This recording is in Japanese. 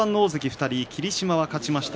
２人霧島が勝ちました。